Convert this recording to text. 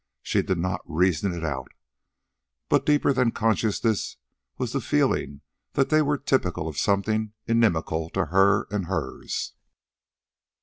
She did not reason it out, but deeper than consciousness was the feeling that they were typical of something inimical to her and hers.